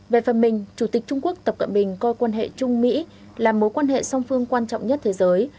về phần mình chủ tịch trung quốc tập cận bình coi quan hệ trung mỹ là mối quan hệ song phương quan trọng nhất thế giới